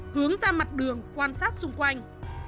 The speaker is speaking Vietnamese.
hướng ra mặt đường quan sát xuống đường